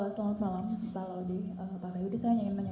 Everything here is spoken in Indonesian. selamat malam pak laudi